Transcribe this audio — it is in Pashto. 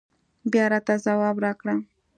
بيا راته ځواب راکړه